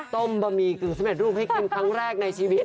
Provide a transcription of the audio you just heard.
บะหมี่กึ่งสำเร็จรูปให้กินครั้งแรกในชีวิต